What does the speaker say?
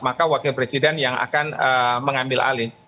maka wakil presiden yang akan mengambil alih